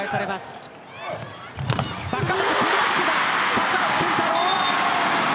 高橋健太郎。